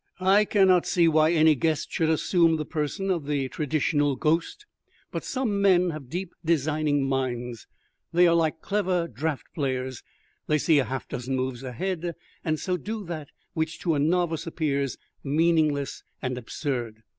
"I cannot see why any guest should assume the person of the traditional ghost, but some men have deep designing minds. They are like clever draught players; they see half a dozen moves ahead, and so do that which to a novice appears meaningless and absurd."